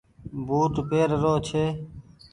بوٽ پير رو ڇي۔